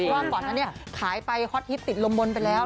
เพราะว่าก่อนนั้นขายไปฮอตฮิตติดลมบนไปแล้ว